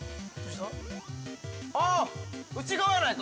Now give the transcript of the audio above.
あっ、内側やないか。